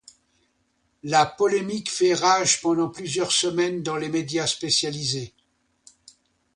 La polémique fait rage pendant plusieurs semaines dans les médias spécialisés.